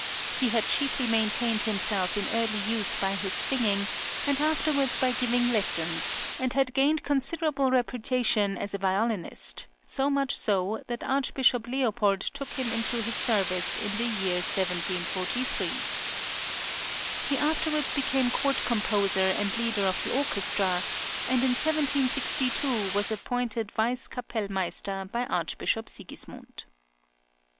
He had chiefly maintained himself in early youth by his singing, and afterwards by giving lessons, and had gained considerable reputation as a violinist, so much so that Archbishop Leopold took him into his service in the year 1743. He afterwards became court composer and leader of the orchestra, and in 1762 was appointed Vice Kapellmeister by Archbishop Sigismund.